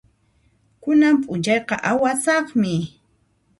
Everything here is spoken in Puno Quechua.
Kunan p'unchayqa awasaqmi.